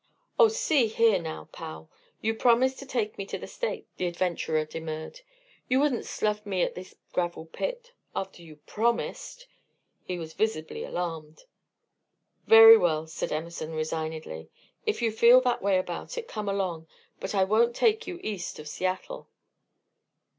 "Oh, see here, now, pal! You promised to take me to the States," the adventurer demurred. "You wouldn't slough me at this gravel pit, after you promised?" He was visibly alarmed. "Very well," said Emerson, resignedly, "If you feel that way about it, come along; but I won't take you east of Seattle."